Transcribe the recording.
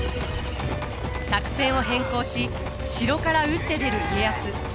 作戦を変更し城から打って出る家康。